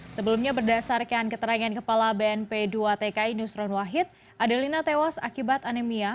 sebelumnya berdasarkan keterangan kepala bnp dua tki nusron wahid adelina tewas akibat anemia